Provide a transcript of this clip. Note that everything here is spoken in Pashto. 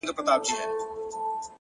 د زړه سکون له سم وجدان راځي،